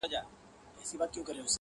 هم يې وچیچل اوزگړي او پسونه.!